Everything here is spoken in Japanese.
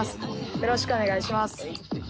よろしくお願いします。